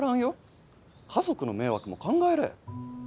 家族の迷惑も考えれ。